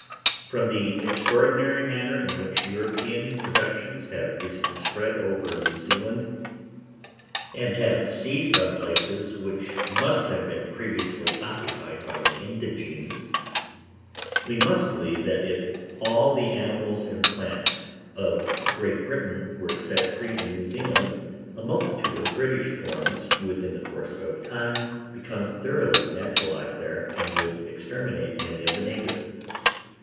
From the extraordinary manner in which European productions have recently spread over New Zealand, and have seized on places which must have been previously occupied by the indigenes, we must believe, that if all the animals and plants of Great Britain were set free in New Zealand, a multitude of British forms would in the course of time become thoroughly naturalized there, and would exterminate many of the natives.